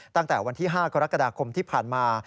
ตั้งแต่วันที่๕กรกฎาคมที่ผ่านมา